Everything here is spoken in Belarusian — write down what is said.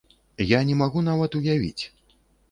Я не магу нават уявіць.